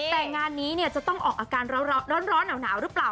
แต่งานนี้จะต้องออกอาการร้อนหนาวหรือเปล่า